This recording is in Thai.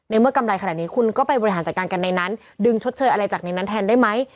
เมื่อกำไรขนาดนี้คุณก็ไปบริหารจัดการกันในนั้นดึงชดเชยอะไรจากในนั้นแทนได้ไหม